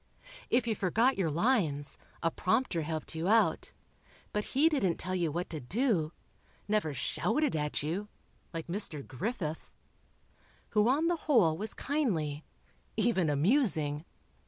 If you forgot your lines, a prompter helped you out, but he didn't tell you what to do ... never shouted at you, like Mr. Griffith, who on the whole was kindly ... even amusing.